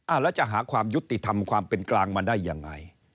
แล้วจะหาความยุติธรรมความเป็นกลางมาได้ยังไง